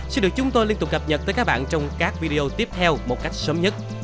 xin được chúng tôi liên tục cập nhật tới các bạn trong các video tiếp theo một cách sớm nhất